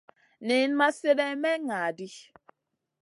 Niyn ma slèdeyn may ŋa ɗi.